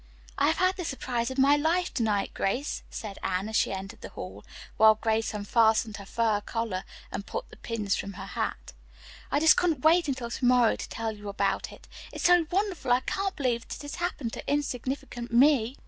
"I have had the surprise of my life to night, Grace," said Anne, as she entered the hall, while Grace unfastened her fur collar and pulled the pins from her hat. "I just couldn't wait until to morrow to tell you about it. It's so wonderful I can't believe that it has happened to insignificant me."